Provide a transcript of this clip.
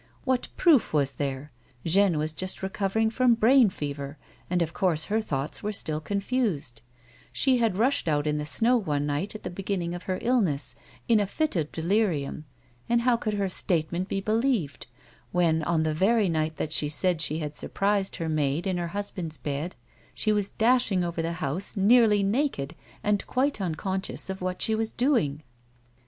What proof was there 1 Jeanne was just recovering from brain fever, and of course her thoughts were still confused, ^he had rushed out in the snow one night at the beginning of her illness, in a fit of delirium, and how could her statement be believed when, on the very night that she said she had surprised her maid in her husband's bed, she was dashing over the house nearly naked, and quite unconscious of what she was doing